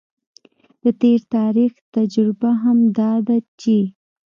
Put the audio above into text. د تیر تاریخ تجربه هم دا ده چې